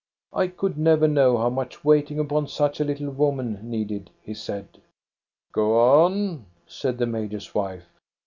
I could never know how much waiting upon such a little woman needed, he said." " Go on," said the major's wife.